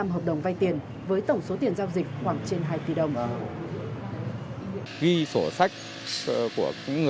tám mươi năm hợp đồng vai tiền với tổng số tiền giao dịch khoảng trên hai tỷ đồng